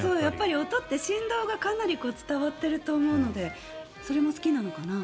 音って振動がかなり伝わっていると思うのでそれも好きなのかなと。